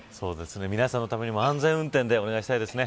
皆さんのためにも安全運転でお願いしたいですね。